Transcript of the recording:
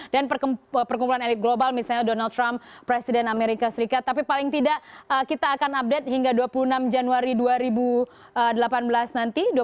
dan perkumpulan elit global misalnya donald trump presiden amerika serikat tapi paling tidak kita akan update hingga dua puluh enam januari dua ribu delapan belas nanti